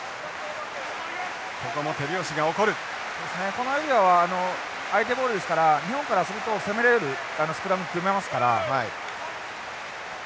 このエリアは相手ボールですから日本からすると攻めれるスクラム組めますから。